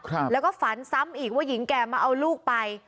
ครับแล้วก็ฝันซ้ำอีกว่าหญิงแก่มาเอาลูกไป